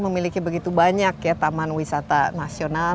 memiliki begitu banyak ya taman wisata nasional